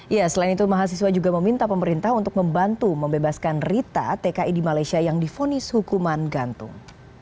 ya selain itu mahasiswa juga meminta pemerintah untuk membantu membebaskan rita tki di malaysia yang difonis hukuman gantung